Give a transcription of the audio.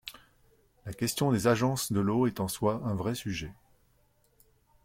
La question des agences de l’eau est, en soi, un vrai sujet.